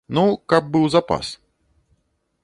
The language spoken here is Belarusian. Ну, каб быў запас.